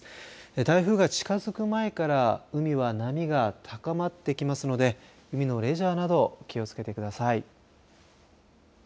台風が近づく前から海は波が高まってきますので海のレジャーなど気をつけてください。